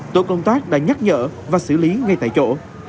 tổ công tác đã nhắc nhở và xử lý ngay tại chỗ